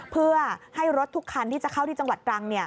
เพื่อให้รถทุกคันที่จะเข้าที่จังหวัดตรัง